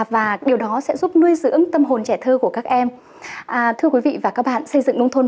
và điều đó sẽ giúp nuôi dưỡng tâm hồn trẻ thơ của các em thưa quý vị và các bạn xây dựng nông thôn